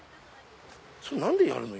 れ何でやるの？